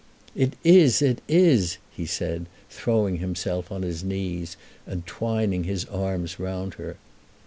"It is; it is," he said, throwing himself on his knees, and twining his arms round her.